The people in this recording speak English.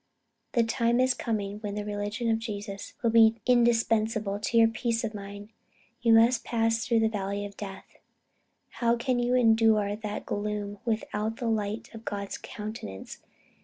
The time is coming when the religion of Jesus will be indispensable to your peace of mind. You must pass through the valley of death. How can you endure that gloom without the light of God's countenance?